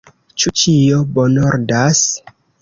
Ĉu ĉio bonordas?